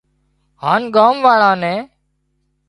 هانَ ڳام واۯان نين